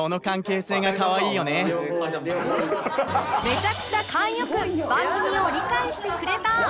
めちゃくちゃ勘良く番組を理解してくれた！